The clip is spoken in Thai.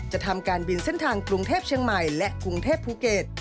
ทำการบินเส้นทางกรุงเทพเชียงใหม่และกรุงเทพภูเก็ต